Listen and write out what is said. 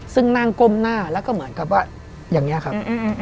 ซึ่งนั่งก้มหน้าแล้วก็เหมือนกับว่าอย่างนี้ครับ